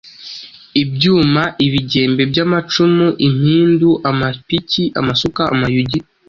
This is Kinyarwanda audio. ibyuma, ibigembe by’amacumu, impindu, amapiki, amasuka, amayugi,